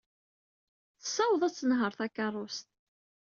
Tessaweḍ ad tenheṛ takeṛṛust.